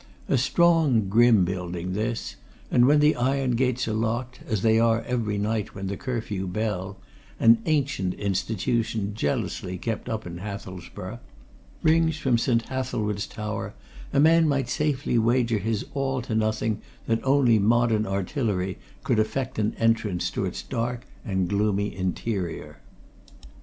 A strong, grim building, this; and when the iron gates are locked, as they are every night when the curfew bell an ancient institution jealously kept up in Hathelsborough rings from St. Hathelswide's tower, a man might safely wager his all to nothing that only modern artillery could effect an entrance to its dark and gloomy interior.